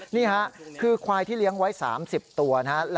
นี่ค่ะคือควายที่เลี้ยงไว้๓๐ตัวนะครับ